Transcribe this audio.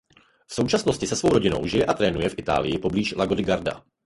V současnosti se svou rodinou žije a trénuje v Itálii poblíž Lago di Garda.